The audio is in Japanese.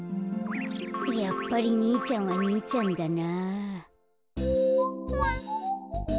やっぱりにいちゃんはにいちゃんだな。